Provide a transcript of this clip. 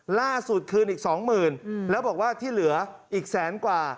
ล่าสุดคืนอีกสองหมื่นแล้วบอกว่าที่เหลืออีกแสนกว่า